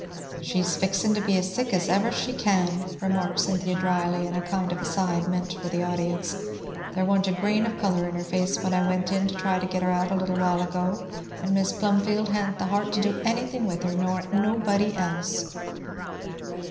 "She's fixing to be sick as fast as ever she can," remarked Cynthia dryly, in a kind of aside meant for the audience; "there wa'n't a grain of colour in her face when I went in to try to get her out a little while ago; and Mis' Plumfield ha'n't the heart to do anything with her, nor nobody else."